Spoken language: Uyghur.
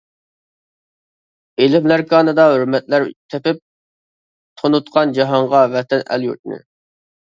ئىلىملەر كانىدا ھۆرمەتلەر تېپىپ، تونۇتقان جاھانغا ۋەتەن ئەل-يۇرتنى.